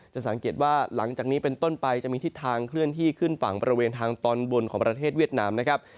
จะสังเกตว่าหลังจากนี้เป็นต้นไปจะมีทิศทางเคลื่อนที่ขึ้นฝั่งบริเวณทางตอนบนของประเทศเวียดนามนะครับ